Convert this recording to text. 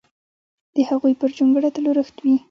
د هغوی پر جونګړه تل اورښت وي!